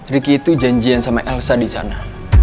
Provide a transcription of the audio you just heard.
ricky itu janjian sama elsa disana